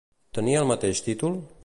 Tenia el mateix títol?